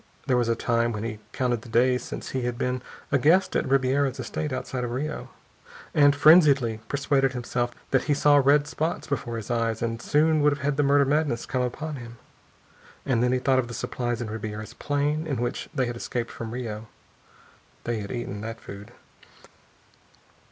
There was a time when he counted the days since he had been a guest at Ribiera's estate outside of Rio, and frenziedly persuaded himself that he saw red spots before his eyes and soon would have the murder madness come upon him. And then he thought of the supplies in Ribiera's plane, in which they had escaped from Rio. They had eaten that food.